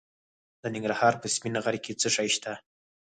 د ننګرهار په سپین غر کې څه شی شته؟